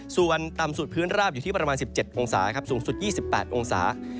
ส่วนต่ำสุดพื้นราบอยู่ที่ประมาณ๑๗องศาครับสูงสุด๒๘องศา